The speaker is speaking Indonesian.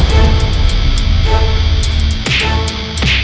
kau tidak bisa mencari kursi ini